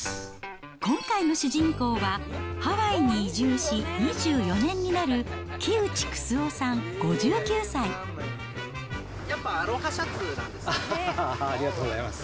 今回の主人公は、ハワイに移住し２４年になる、やっぱアロハシャツなんですありがとうございます。